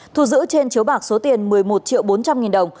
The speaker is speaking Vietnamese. thu giữ trên chiếu bạc số tiền một mươi một triệu bốn trăm linh nghìn đồng